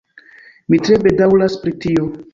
Mi tre bedaŭras pri tio.